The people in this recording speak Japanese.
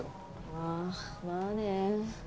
ああまあね。